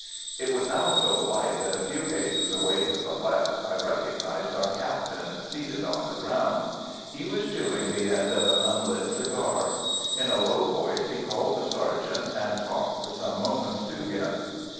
It was now so light that a few paces away to the left I recognised our Captain, seated on the ground. He was chewing the end of an unlit cigar. In a low voice he called the sergeant, and talked for some moments to him.